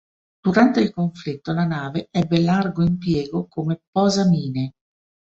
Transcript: Durante il conflitto la nave ebbe largo impiego come posamine.